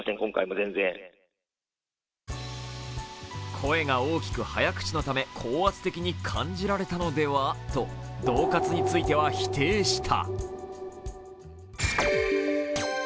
声が大きく早口のため高圧的に感じられたのではとどう喝については否定した。